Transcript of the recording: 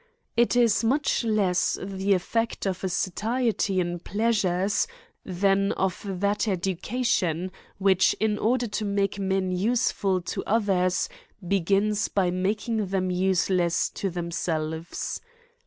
It is much less the effect of a satiety in pleasures^ than of that education w^hich in order to make men useful to others, begins by making ihem useless to themselves.